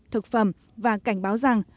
thực phẩm và cảnh báo rằng